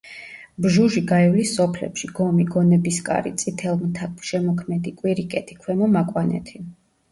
ბჟუჟი გაივლის სოფლებში: გომი, გონებისკარი, წითელმთა, შემოქმედი, კვირიკეთი, ქვემო მაკვანეთი.